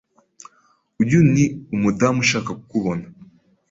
Uyu ni umudamu ushaka kukubona.